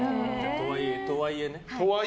とはいえね。